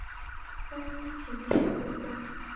先秦史专家。